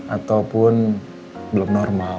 ataupun belum normal